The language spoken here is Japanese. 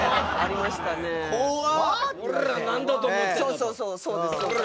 そうそうそうそうです。